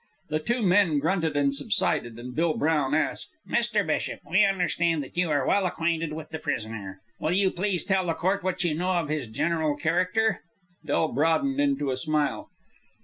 The two men grunted and subsided, and Bill Brown asked, "Mr. Bishop, we understand that you are well acquainted with the prisoner. Will you please tell the court what you know of his general character?" Del broadened into a smile.